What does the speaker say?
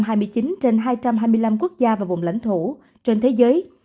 số ca tử vong trên hai trăm hai mươi năm quốc gia và vùng lãnh thổ trên thế giới